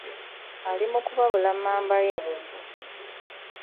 Ali mu kubabula mmamba ye.